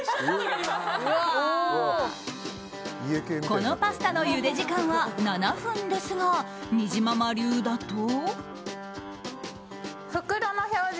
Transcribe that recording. このパスタのゆで時間は７分ですが、にじまま流だと。